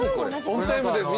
オンタイムです